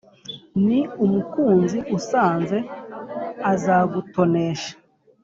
ni umukunzi usanze azagutonesha